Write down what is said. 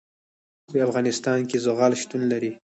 په افغانستان کې زغال شتون لري.